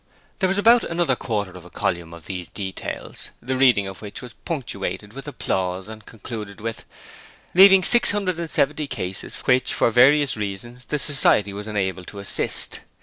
There was about another quarter of a column of these details, the reading of which was punctuated with applause and concluded with: 'Leaving 670 cases which for various reasons the Society was unable to assist'.